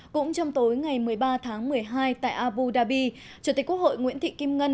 cũng trong tối ngày một mươi ba tháng một mươi hai tại abu dhabi chủ tịch quốc hội nguyễn thị kim ngân